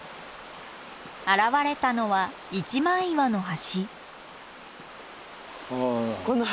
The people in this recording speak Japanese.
現れたのは一枚岩の橋。